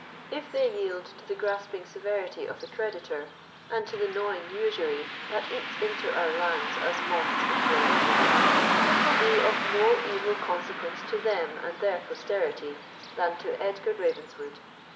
If they yield to the grasping severity of the creditor, and to the gnawing usury that eats into our lands as moths into a raiment, it will be of more evil consequence to them and their posterity than to Edgar Ravenswood.